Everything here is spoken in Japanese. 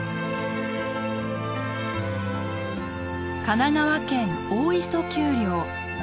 神奈川県大磯丘陵。